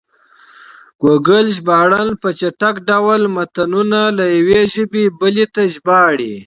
ګوګل ژباړن په چټک ډول متنونه له یوې ژبې بلې ته ژباړي.